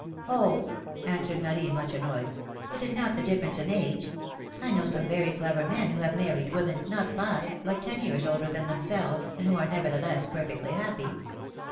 ^^Oh!" answered Marie, much annoyed; ^^it is not the difference in age ; I know some very clever men who have married women, not five, but ten years older than them selves, and who arc nevertheless perfectly happy."